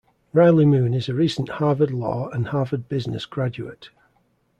Riley Moon is a recent Harvard Law and Harvard Business graduate.